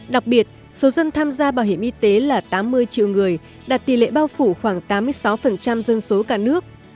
đặc biệt số dân tham gia bảo hiểm y tế là tám mươi triệu người đạt tỷ lệ bao phủ khoảng tám mươi sáu dân số cả nước